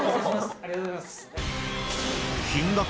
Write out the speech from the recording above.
ありがとうございます。